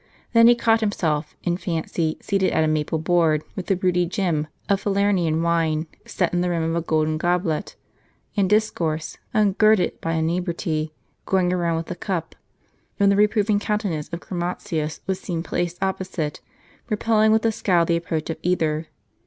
Then he caught himself, in fancy, seated at a maple board, with a ruby gem Ha 1 in the Bath^ of Ca acalla of Falernian wine, set in the rim of a golden goblet, and dis course, ungirded by inebriety, going round with the cup; when the reproving countenance of Chromatins would seem placed opposite, repelling with a scowl the approach of either.